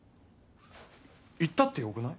言ったってよくない？